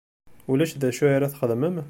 Ulac d acu ara txedmem?